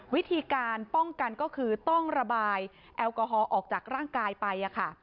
วิธีการป้องกันก็คือต้องระบายแอลกอฮอลออกจากร่างกายไปค่ะ